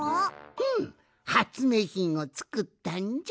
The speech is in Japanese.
ふむはつめいひんをつくったんじゃ。